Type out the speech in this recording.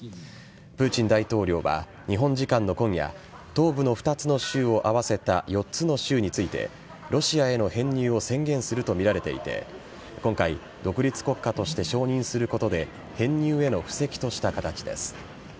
プーチン大統領は日本時間の今夜東部の２つの州を合わせた４つの州についてロシアへの編入を宣言するとみられていて今回独立国家として承認することで編入への布石とした形です。